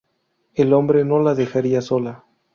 El hombre no la dejaría sola.